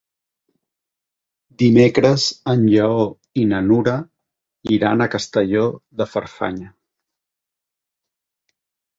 Dimecres en Lleó i na Nura iran a Castelló de Farfanya.